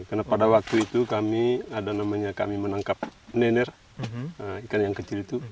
karena pada waktu itu kami menangkap nener ikan yang kecil itu